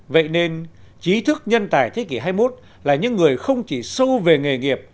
vậy nên trí thức nhân tài thế kỷ hai mươi một là những người không chỉ sâu về nghề nghiệp